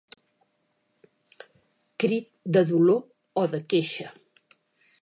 Crit de dolor o de queixa.